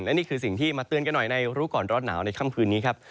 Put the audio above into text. และนี่คือสิ่งที่มาเตือนกันหน่อยในรู้ก่อนร้อนหนาวในค่ำคืนนี้ครับ